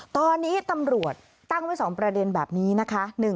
ตอนนี้ตำรวจตั้งไว้๒ประเด็นแบบนี้นะคะ